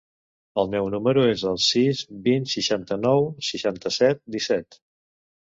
El meu número es el sis, vint, seixanta-nou, seixanta-set, disset.